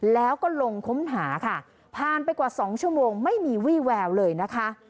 แล้วก็ลงค้นหาค่ะผ่านไปกว่า๒ชั่วโมงไม่มีวี่แววเลยนะคะ